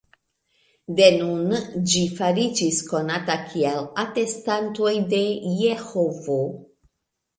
De nun ĝi fariĝis konata kiel "Atestantoj de Jehovo".